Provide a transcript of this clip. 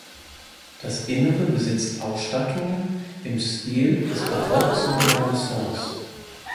Das Innere besitzt Ausstattungen im Stil des Barocks und der Renaissance.